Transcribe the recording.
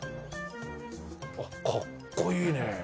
あっかっこいいね！